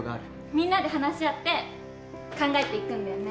みんなで話し合って考えていくんだよね。